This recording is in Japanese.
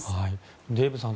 デーブさん